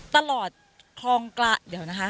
ตลอดคลองกระเดี๋ยวนะคะ